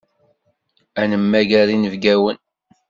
Ad nemmager inebgawen.